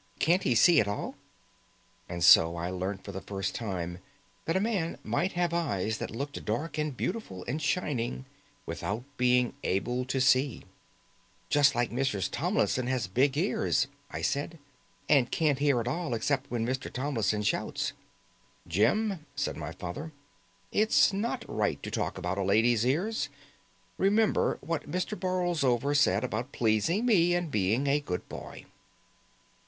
Can't he see at all?" And so I learnt for the first time that a man might have eyes that looked dark and beautiful and shining without being able to see. "Just like Mrs. Tomlinson has big ears," I said, "and can't hear at all except when Mr. Tomlinson shouts." "Jim," said my father, "it's not right to talk about a lady's ears. Remember what Mr. Borlsover said about pleasing me and being a good boy."